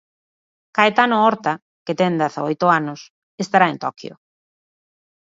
Caetano Horta, que ten dezaoito anos, estará en Toquio.